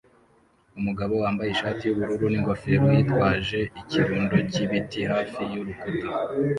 Umugabo wambaye ishati yubururu ningofero yitwaje ikirundo cyibiti hafi yurukuta